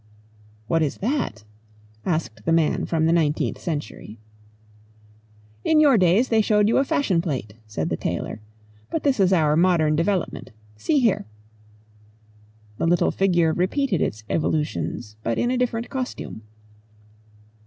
"What is that?" asked the man from the nineteenth century. "In your days they showed you a fashion plate," said the tailor, "but this is our modern development. See here." The little figure repeated its evolutions, but in a different costume.